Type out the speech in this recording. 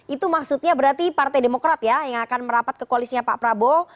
itu maksudnya berarti partai demokrat ya yang akan merapat ke koalisnya pak prabowo